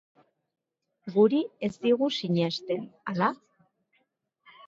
Guri ez digu sinesten, ala?